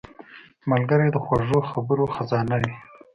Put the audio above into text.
ملګری د خوږو خبرو خزانه وي